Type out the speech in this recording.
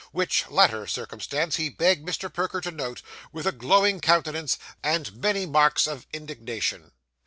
Which latter circumstance he begged Mr. Perker to note, with a glowing countenance and many marks of indignation.